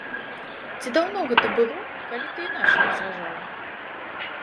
Ці даўно гэта было, калі ты іначай разважала?